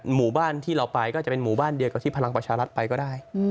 หมู่บ้านที่เราไปก็จะเป็นหมู่บ้านเดียวกับที่พลังประชารัฐไปก็ได้